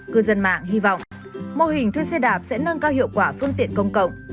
cư dân mạng hy vọng mô hình thuê xe đạp sẽ nâng cao hiệu quả phương tiện công cộng